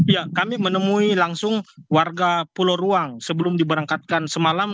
ya kami menemui langsung warga pulau ruang sebelum diberangkatkan semalam